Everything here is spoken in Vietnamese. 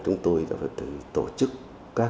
chúng tôi đã phải tổ chức các